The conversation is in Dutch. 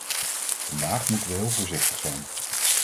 Vandaag moeten we heel voorzichtig zijn.